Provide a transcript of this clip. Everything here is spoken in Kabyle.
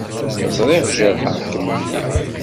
Ẓriɣ jerḥeɣ-kem mliḥ.